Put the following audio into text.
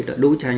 đã đấu tranh